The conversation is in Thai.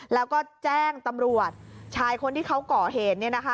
แล้วก็แจ้งตำรวจชายคนที่เขาก่อเหตุ